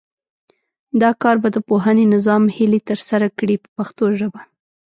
دا کار به د پوهنې نظام هیلې ترسره کړي په پښتو ژبه.